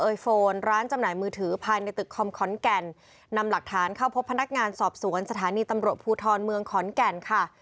โฟนร้านจำหน่ายมือถือภายในตึกคอมขอนแก่นนำหลักฐานเข้าพบพนักงานสอบสวนสถานีตำรวจภูทรเมืองขอนแก่นค่ะ